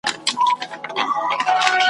کارګان به په تور مخ وي زموږ له باغ څخه وتلي ,